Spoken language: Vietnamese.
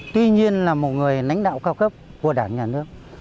tuy nhiên là một người lãnh đạo cao cấp của đảng nhà nước